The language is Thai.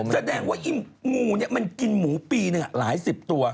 แสดงว่างูเนี่ยมันกินหมูปีหนึ่งหลายสิบตัว